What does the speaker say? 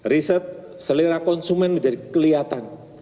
riset selera konsumen menjadi kelihatan